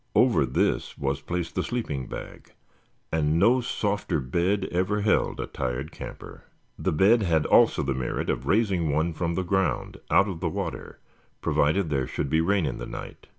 Over this was placed the sleeping bag, and no softer bed ever held a tired camper. The bed had also the merit of raising one from the ground, out of the water, provided there should be rain in the night.